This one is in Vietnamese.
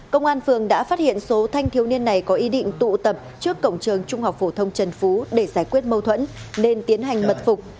công an phường đã phát hiện số thanh thiếu niên này có ý định tụ tập trước cổng trường trung học phổ thông trần phú để giải quyết mâu thuẫn nên tiến hành mật phục